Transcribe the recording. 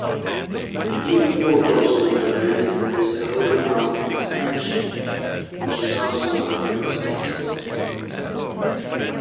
Even more closely related is the Okinawan "sanshin", which is also covered in snakeskin.